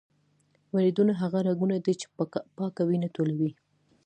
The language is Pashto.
وریدونه هغه رګونه دي چې پاکه وینه ټولوي.